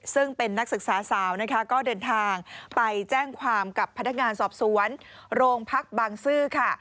ซึ่งเป็นนักศึกษาสาวก็เดินทางไปแจ้งความกับพนักงานสอบสวนโรงพักบางซื่อ